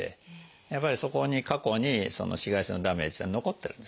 やっぱりそこに過去に紫外線のダメージは残ってるんですね